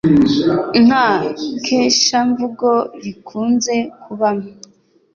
Nta keshamvugo rikunze kubamo;